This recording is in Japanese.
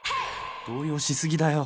動揺し過ぎだよ。